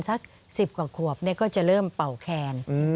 ถ้า๑๐กว่าขวบก็จะเริ่มเป่าแคน